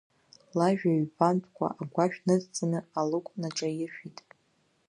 Лажәа ҩбамтәкәа агәашә ныдҵаны алыкә наҿаиршәит.